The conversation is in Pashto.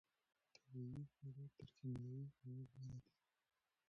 طبیعي خواړه تر کیمیاوي هغو غوره دي.